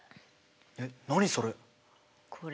えっ何それ？